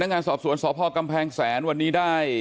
งานสอบสวนสพกำแพงแสนวันนี้ได้